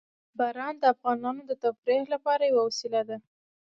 باران د افغانانو د تفریح لپاره یوه وسیله ده.